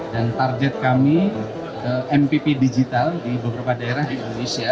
dan target kami mpp digital di beberapa daerah indonesia